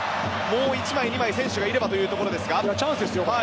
もう１枚、２枚選手がいればというところ。